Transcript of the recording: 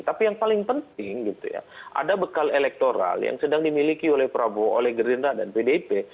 tapi yang paling penting gitu ya ada bekal elektoral yang sedang dimiliki oleh prabowo oleh gerindra dan pdip